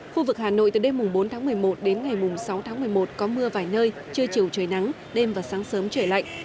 khu vực hà nội từ đêm bốn tháng một mươi một đến ngày mùng sáu tháng một mươi một có mưa vài nơi chưa chiều trời nắng đêm và sáng sớm trời lạnh